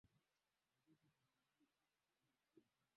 bajeti itagonga mwamba kuungwa mkono